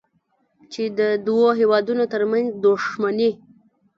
چې د دوو هېوادونو ترمنځ دوښمني